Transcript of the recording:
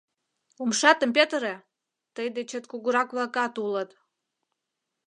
Умшатым петыре, тый дечет кугурак-влакат улыт!